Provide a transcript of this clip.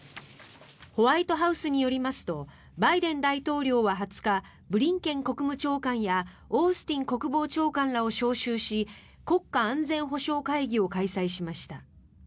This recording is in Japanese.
ホワイトハウスによりますとバイデン大統領は２０日ブリンケン国務長官やオースティン国防長官らを招集し国家安全保障会議を開催しました。